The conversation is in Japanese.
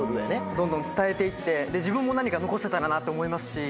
どんどん伝えて行って自分も何か残せたらなって思いますし。